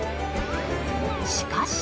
しかし。